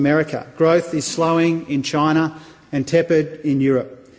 kembangannya berkurang di china dan berkurang di eropa